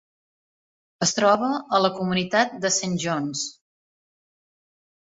Es troba a la comunitat de Saint Johns.